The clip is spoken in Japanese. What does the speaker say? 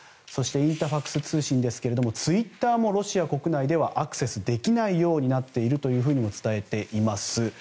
そしてインタファクス通信ですがツイッターもロシア国内ではアクセスできないようになっていると伝えています。